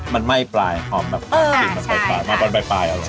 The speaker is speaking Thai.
มันไม่ปลายหอมแบบปลายใช่